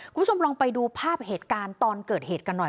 คุณผู้ชมลองไปดูภาพเหตุการณ์ตอนเกิดเหตุกันหน่อย